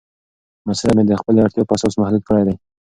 مصرف مې د خپلې اړتیا په اساس محدود کړی دی.